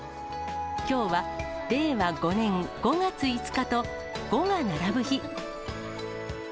きょうは令和５年５月５日と、５が並ぶ日。